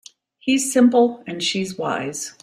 He's simple and she's wise.